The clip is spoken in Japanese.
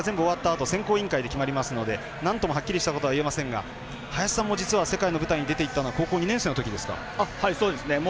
あと選考委員会で決まりますのでなんともはっきりしたことは言えませんが林さんも世界の舞台に出て行ったのは高校２年生のときですかね。